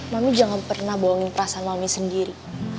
mami jangan pernah bohongin perasaan suami sendiri